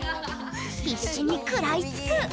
必死に食らいつく！